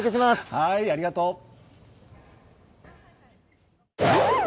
ありがとう。